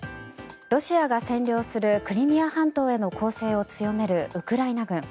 ロシアが占領するクリミア半島への攻勢を強めるウクライナ軍。